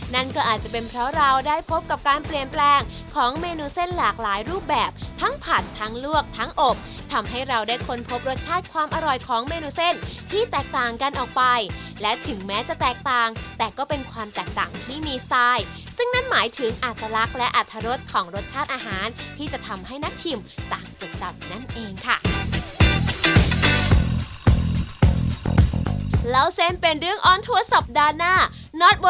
นั่นก็อาจจะเป็นเพราะเราได้พบกับการเปลี่ยนแปลงของเมนูเส้นหลากหลายรูปแบบทั้งผัดทั้งลวกทั้งอบทำให้เราได้ค้นพบรสชาติความอร่อยของเมนูเส้นที่แตกต่างกันออกไปและถึงแม้จะแตกต่างแต่ก็เป็นความแตกต่างที่มีสไตล์ซึ่งนั่นหมายถึงอัตลักษณ์และอรรถรสของรสชาติอาหารที่จะทำให้นักชิมต่างจดจำนั่นเองค่ะ